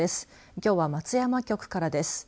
きょうは、松山局からです。